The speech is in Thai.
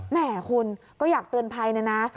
แหมคุณก็อยากเตือนภัยนะนะ